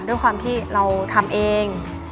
ด้วยความที่เราทำเอง